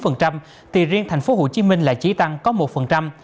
nhưng thành phố hồ chí minh lại chỉ tăng có một phần trăm